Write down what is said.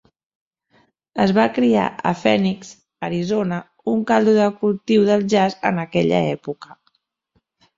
Es va criar a Phoenix, Arizona, un caldo de cultiu del jazz en aquella època.